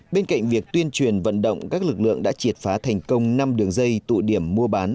bên cạnh việc tuyên truyền vận động các lực lượng đã triệt phá thành công năm đường dây tụ điểm mua bán